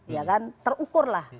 ya kan terukur lah